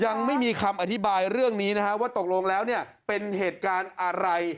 ยังไม่มีคำอธิบายเรื่องนี้นะฮะว่าตกลงแล้วเนี่ยเป็นเหตุการณ์อะไร